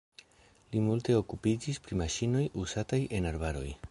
Li multe okupiĝis pri maŝinoj uzataj en arbaroj.